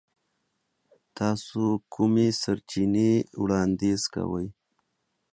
تاسو کومې سرچینې وړاندیز کوئ؟